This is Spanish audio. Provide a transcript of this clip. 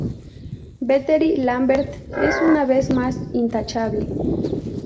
Verity Lambert es una vez más intachable".